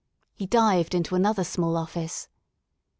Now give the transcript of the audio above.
He dived into another small office.